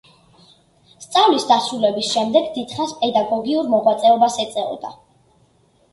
სწავლის დასრულების შემდეგ დიდხანს პედაგოგიურ მოღვაწეობას ეწეოდა.